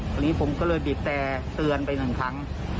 ตอนนี้ผมก็เลยบีบแต่เตือนไปหนึ่งครั้ง